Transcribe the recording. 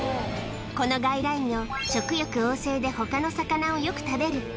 この外来魚、食欲旺盛でほかの魚をよく食べる。